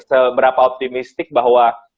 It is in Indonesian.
seberapa optimistik bahwa